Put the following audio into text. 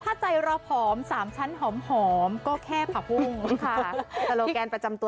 ถ้าใจเราผอม๓ชั้นหอมก็แค่ผักบุ้งค่ะสโลแกนประจำตัว